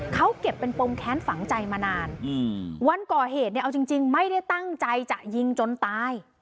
เขาเก็บเป็นปมแค้นฝังใจมานานวันก่อเหตุเนี่ยเอาจริงไม่ได้ตั้งใจจะยิงจนตาย